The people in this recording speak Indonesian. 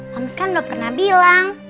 hams kan udah pernah bilang